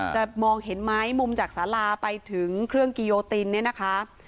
มองเห็นไหมมุมจากสาราไปถึงเครื่องกิโยตินเนี่ยนะคะ